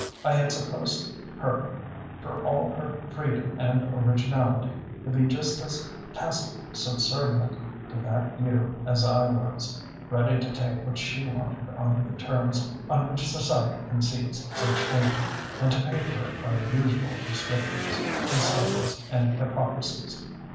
I had supposed her, for all her freedom and originality, to be just as tacitly subservient to that view as I was: ready to take what she wanted on the terms on which society concedes such taking, and to pay for it by the usual restrictions, concealments and hypocrisies.